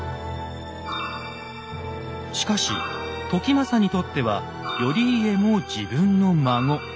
しかし時政にとっては頼家も自分の孫。